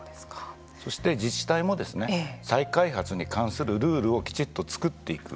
そして自治体も再開発に関するルールをきちっと作っていく。